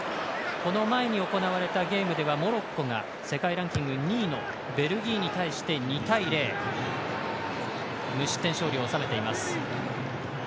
この前に行われたゲームではモロッコが世界ランキング２位のベルギーに対して２対０無失点勝利を収めています。